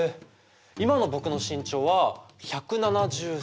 今の僕の身長は１７３ｃｍ。